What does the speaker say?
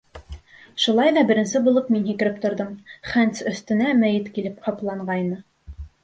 Шулай ҙа беренсе булып мин һикереп торҙом, Хэндс өҫтөнә мәйет килеп ҡапланғайны.